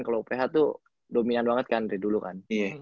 kalau uph tuh dominan banget kan dari dulu kan